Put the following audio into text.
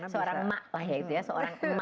seorang emak lah ya itu ya